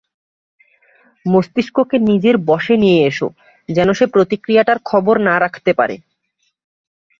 মস্তিষ্ককে নিজের বশে নিয়ে এস, যেন সে প্রতিক্রিয়াটার খবর না রাখতে পারে।